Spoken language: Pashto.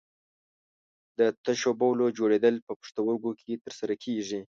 د تشو بولو جوړېدل په پښتورګو کې تر سره کېږي.